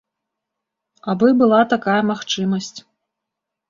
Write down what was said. Абы была такая магчымасць.